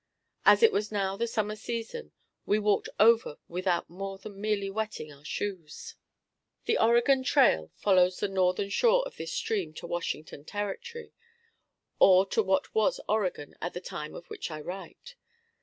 As it was now the summer season, we walked over without more than merely wetting our shoes. The Oregon trail follows the northern shore of this stream to Washington Territory, or to what was Oregon at the time of which I write.